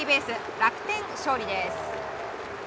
楽天、勝利です。